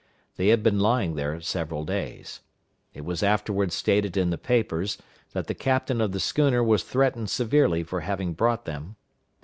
They had been lying there several days. It was afterward stated in the papers that the captain of the schooner was threatened severely for having brought them.